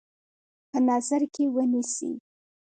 په نظر کې ونیسي.